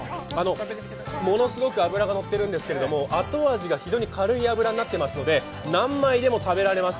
ものすごく脂が乗ってるんですけど後味が非常に軽い脂になっていますので何枚でも食べられます。